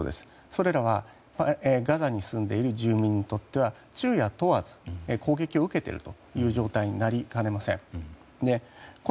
それらはガザに住んでいる住民にとっては昼夜問わず攻撃を受けている状態になりかねません。